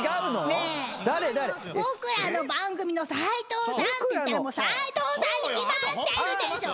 僕らの番組の斉藤さんって言ったら斉藤さんに決まってるでしょ。